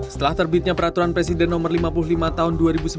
setelah terbitnya peraturan presiden no lima puluh lima tahun dua ribu sembilan belas